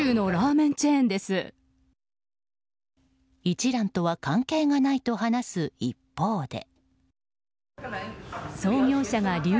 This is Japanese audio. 一蘭とは関係がないと話す一方で。